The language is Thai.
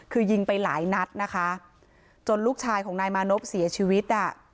คือยิงไปหลายนัดนะคะจนลูกชายของนายมานพเสียชีวิตอ่ะ